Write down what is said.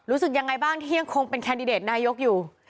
รู้สึกยังไงบ้างที่ยังคงเป็นแคนดิเดตนายกอยู่